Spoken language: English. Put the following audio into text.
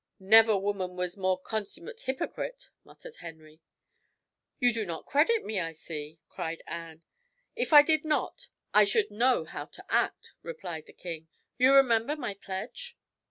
"Never woman was more consummate hypocrite," muttered Henry. "You do not credit me, I see," cried Anne. "If I did not, I should know how to act," replied the king. "You remember my pledge?"